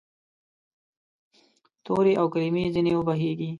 تورې او کلمې ځیني وبهیږې